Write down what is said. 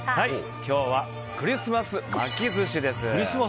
今日はクリスマス巻きずしです。